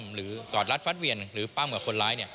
หรือกอดรัดฟัดเวียนหรือปั้มกับคนร้าย